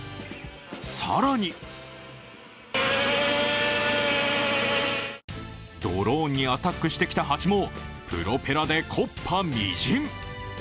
更にドローンにアタックしてきた蜂もプロペラで木っ端みじん。